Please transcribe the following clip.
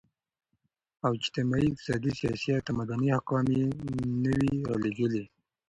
او اجتماعي، اقتصادي ، سياسي او تمدني احكام ئي نوي راليږلي